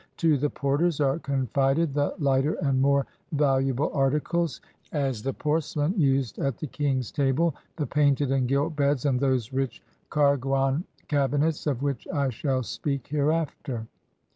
To the porters are confided the lighter and more valuable articles, as the porcelain used at the king's table, the painted and gilt beds, and those rich karguain [cabinets] of which I shall speak hereafter.